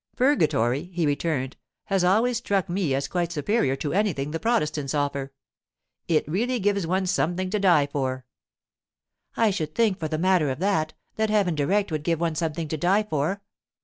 'Purgatory,' he returned, 'has always struck me as quite superior to anything the Protestants offer. It really gives one something to die for.' 'I should think, for the matter of that, that heaven direct would give one something to die for.